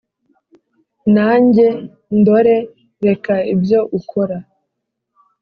nanjye ndore reka ibyo ukora